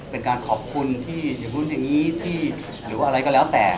เป็นการขอบคุณที่อย่างนู้นอย่างนี้หรือว่าอะไรก็แล้วแต่